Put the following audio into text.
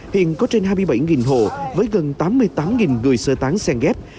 hiện có trên hai mươi bảy hộ với gần tám mươi tám người sơ tán sen ghép